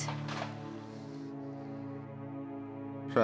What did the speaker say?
ya muntahin lagi bu ya terus